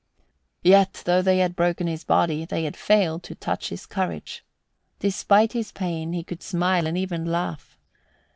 Yet, though they had broken his body, they had failed to touch his courage; despite his pain, he could smile and even laugh.